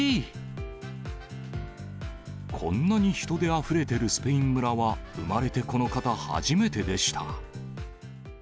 こんなに人であふれてるスペイン村は、生まれてこの方初めてでした。